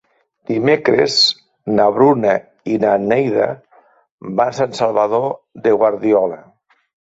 Dimecres na Bruna i na Neida van a Sant Salvador de Guardiola.